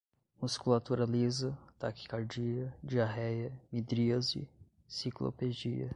musculatura lisa, taquicardia, diarreia, midríase, ciclopegia